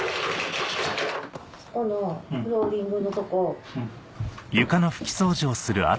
そこのフローリングのとこ。